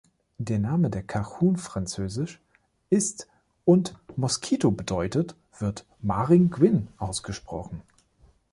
Der Name, der Cajun-Französisch ist und „mosquito“ bedeutet, wird „mah-ring-gwin“ ausgesprochen.